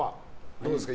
どうですか？